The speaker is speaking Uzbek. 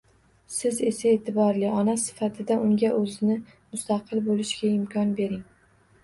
Siz esa, e’tiborli ona sifatida unga o‘zini mustaqil bo'lishiga imkon bering.